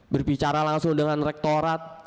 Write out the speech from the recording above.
berbicara langsung dengan rektorat